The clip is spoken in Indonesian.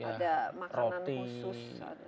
ya ada makanan khusus